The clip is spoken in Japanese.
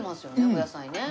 お野菜ね。